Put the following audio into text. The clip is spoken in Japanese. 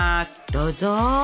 どうぞ。